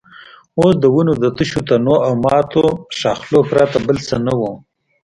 اوس د ونو د تشو تنو او ماتو ښاخلو پرته بل څه نه وو.